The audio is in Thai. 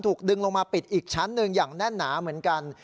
ดึงลงมาปิดอีกชั้นหนึ่งอย่างแน่นหนาเหมือนกัน